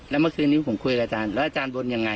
แล้วเมื่อคืนนี้ผมคุยกับอาจารย์แล้วอาจารย์บนยังไง